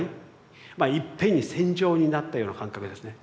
まあいっぺんに戦場になったような感覚ですね。